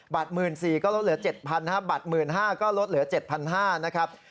บัตร๑๔๐๐๐ก็ลดเหลือ๗๐๐๐บาทบัตร๑๕๐๐๐ก็ลดเหลือ๗๕๐๐บาท